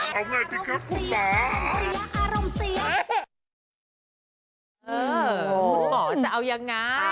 หมอจะเอายังไง